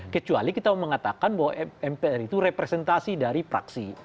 kecuali kita mengatakan bahwa mpr itu representasi dari praksi